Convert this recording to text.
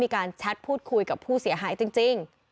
แชทพูดคุยกับผู้เสียหายจริง